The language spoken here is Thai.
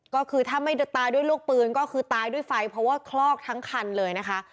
ก็คือถ้าไม่ตายด้วยลูกปืนก็คือตายด้วยไฟเพราะว่าคลอกทั้งคันเลยนะคะ